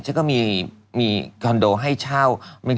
ฉันก็มีคอนโดให้เช่า